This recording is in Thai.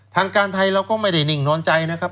ทางการไทยเราก็ไม่ได้นิ่งนอนใจนะครับ